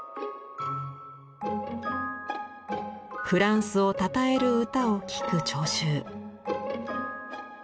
フランスを讃える歌を聴く聴衆。